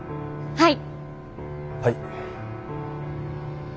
はい！